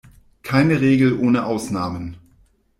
Keine Regel ohne Ausnahmen!